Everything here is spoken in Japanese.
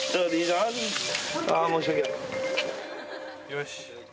よし。